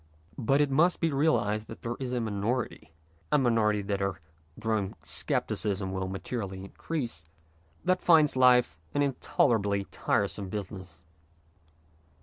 But it must be realized that there is a minority a minority that our growing seep SUICIDE AND THE STATE 97 ticism will materially increase that finds life an intolerably tiresome business.